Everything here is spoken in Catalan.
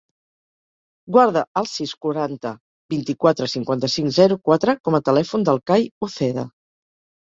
Guarda el sis, quaranta, vint-i-quatre, cinquanta-cinc, zero, quatre com a telèfon del Cai Uceda.